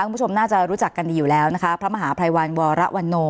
คุณผู้ชมน่าจะรู้จักกันดีอยู่แล้วนะคะพระมหาภัยวันวรวันโน